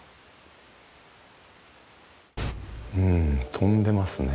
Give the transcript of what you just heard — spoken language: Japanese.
飛んでますね。